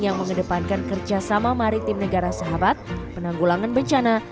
yang mengedepankan kerjasama maritim negara sahabat penanggulangan bencana